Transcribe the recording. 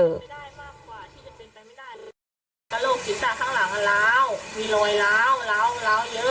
กระโหลกผิดสระข้างหลังล้าวมีรอยล้าวล้าวล้าวเยอะ